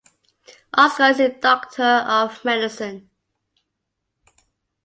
Oscar is a doctor of medicine.